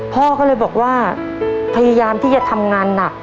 พ่อก็เลยบอกว่าพยายามที่จะทำงานหนัก